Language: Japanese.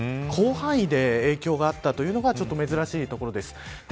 広範囲で影響があったというのが珍しいところです。